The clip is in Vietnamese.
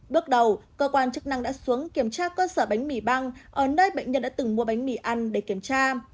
bước đầu cơ quan chức năng đã xuống kiểm tra cơ sở bánh mì băng ở nơi bệnh nhân đã từng mua bánh mì ăn để kiểm tra